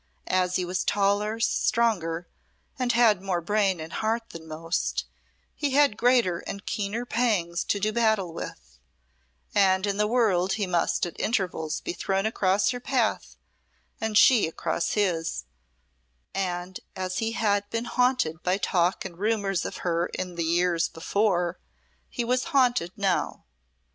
As he was taller, stronger, and had more brain and heart than most, he had greater and keener pangs to do battle with, and in the world he must at intervals be thrown across her path and she across his, and as he had been haunted by talk and rumours of her in the years before he was haunted now.